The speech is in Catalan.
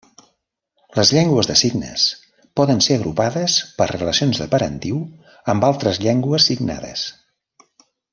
Les llengües de signes poden ser agrupades per relacions de parentiu amb altres llengües signades.